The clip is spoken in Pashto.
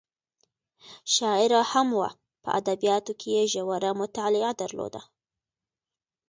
شاعره هم وه په ادبیاتو کې یې ژوره مطالعه درلوده.